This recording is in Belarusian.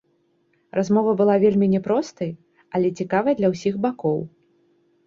Размова была вельмі не простай, але цікавай для ўсіх бакоў.